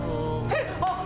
えっ！